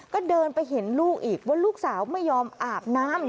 ก็เดินไปเห็นลูกอีกว่าลูกสาวไม่ยอมอาบน้ำ